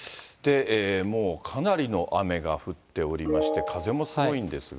もうかなりの雨が降っておりまして、風もすごいんですが。